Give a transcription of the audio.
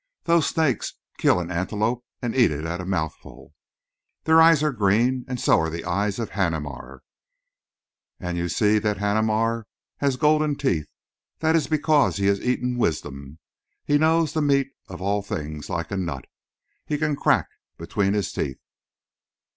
Those snakes kill an antelope and eat it at a mouthful. Their eyes are green and so are the eyes of Haneemar. And you see that Haneemar has golden teeth. That is because he has eaten wisdom. He knows the meat of all things like a nut he can crack between his teeth.